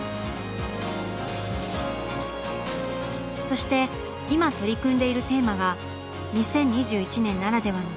そして今取り組んでいるテーマが２０２１年ならではの大問題。